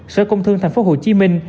sở công thương thành phố hồ chí minh